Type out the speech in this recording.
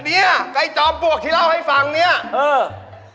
เนี้ยไอ้จอมปลวกที่เล่าให้ฟังเนี่ยเออ